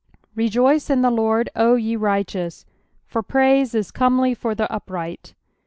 REJOICE in the Lord, O ye righteous : /or praise is comely for the upright.